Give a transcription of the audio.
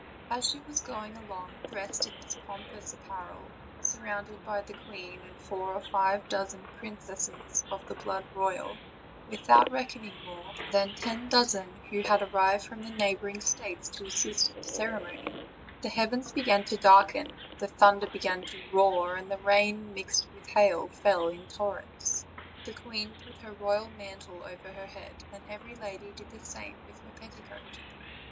As she was going along dressed in this pompous ap parel, surrounded by the queen and four or five dozen princesses of the blood royal, without reckoning more AND FANFAKINET. (339) 340 OLD, OLD FAIRY TALES, than ten dozen who had arrived from the neighboring states to assist at the ceremony, the heavens began to darken, the thunder began to roar, and rain mixed with hail fell in torrents. The queen put her royal mantle over her head, and every lady did the same with her pet ticoat.